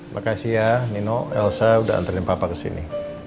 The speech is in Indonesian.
makasih ya nino elsa sudah anterin papa kesini